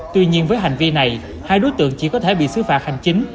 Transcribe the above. tuy nhiên với hành vi này hai đối tượng chỉ có thể bị xứ phạt hành chính